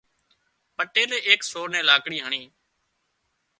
پٽيلي ايڪ سور نين لاڪڙي هڻي